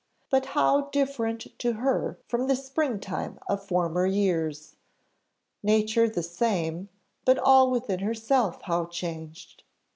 But how different to her from the spring time of former years! Nature the same, but all within herself how changed!